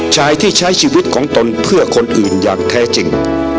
ชายที่ใช้ชีวิตของตนเพื่อคนอื่นอย่างแท้จริง